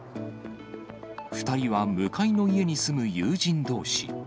２人は向かいの家に住む友人どうし。